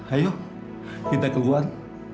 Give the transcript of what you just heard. ayo kita keluar